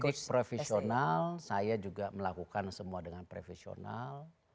untuk profesional saya juga melakukan semua dengan profesional